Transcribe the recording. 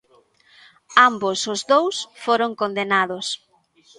Ambos os dous foron condenados.